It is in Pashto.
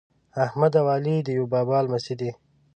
احمد او علي د یوه بابا لمسي دي.